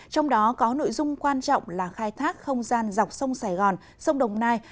trong đó có nội dung quan trọng là khai thác không gian dọc sông sài gòn sông đồng nai